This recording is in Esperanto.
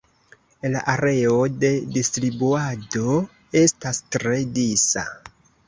La areo de distribuado estas tre disa.